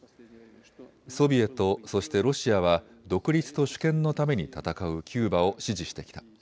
ソビエト、そしてロシアは独立と主権のために闘うキューバを支持してきた。